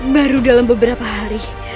baru dalam beberapa hari